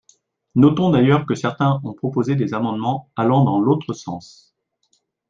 Notons d’ailleurs que certains ont proposé des amendements allant dans l’autre sens.